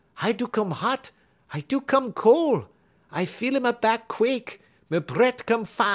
I do come hot, I do come cole. I feel a me bahck quake; me bre't' come fahs'.